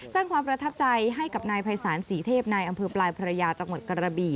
สร้างความประทับใจให้กับนายภัยศาลศรีเทพนายอำเภอปลายพระยาจังหวัดกระบี่